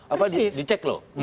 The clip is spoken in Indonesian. apa di cek loh